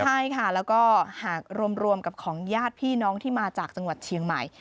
ใช่ค่ะแล้วก็หากรวมกับของญาติพี่น้องที่มาจากจังหวัดเชียงใหม่